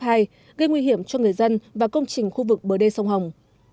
gây nguy hiểm cho người dân và công trình khu vực bờ đê sông hồng